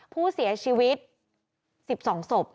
ผู้เสียชีวิต๑๒ศพ